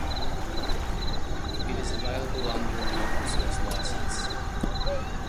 It is available under an open-source license.